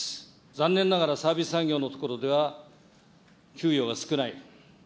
残念ながら、サービス産業のところでは給与が少ない。